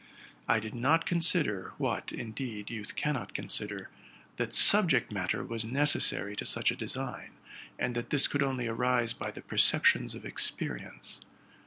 I did not consider, what, indeed, youth cannot consider, that subject matter was necessary to such a design, and that this could only arise by the perceptions of experience.